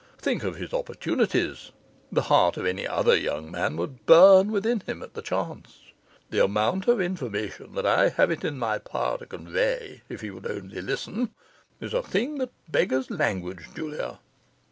Think of his opportunities! The heart of any other young man would burn within him at the chance. The amount of information that I have it in my power to convey, if he would only listen, is a thing that beggars language, Julia.